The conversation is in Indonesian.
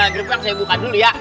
grip yang saya buka dulu ya